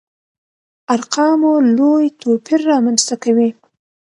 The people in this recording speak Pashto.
ارقامو لوی توپير رامنځته کوي.